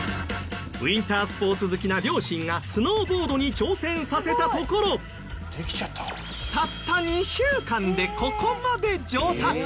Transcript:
ウィンタースポーツ好きな両親がスノーボードに挑戦させたところたった２週間でここまで上達！